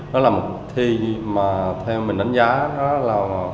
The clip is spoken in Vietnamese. đó là một thi mà theo mình đánh giá nó là